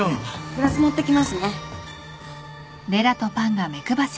グラス持ってきますね。